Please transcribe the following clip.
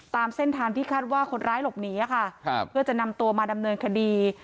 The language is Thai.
ตามเส้นทางที่คาดว่าคนร้ายหลบหนีค่ะครับเพื่อจะนำตัวมาดำเนินคดี